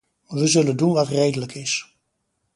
We zullen doen wat redelijk is.